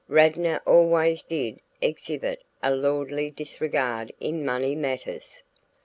Radnor always did exhibit a lordly disregard in money matters.